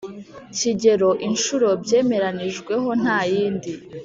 Kigero inshuro byemeranijweho nta yandi